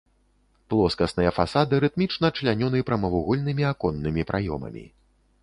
Плоскасныя фасады рытмічна члянёны прамавугольнымі аконнымі праёмамі.